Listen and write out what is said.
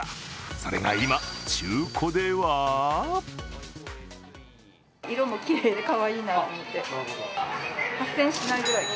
それが今、中古では色もきれいでかわいいなと思って。